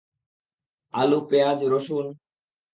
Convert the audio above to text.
আলু, পেঁয়াজ, রসুন?